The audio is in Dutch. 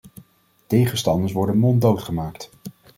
Tegenstanders worden monddood gemaakt.